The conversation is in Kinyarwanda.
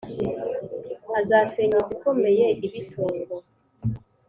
azasenya inzu ikomeye ibe itongo